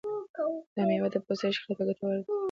دا مېوه د پوستکي ښکلا ته ګټوره ده.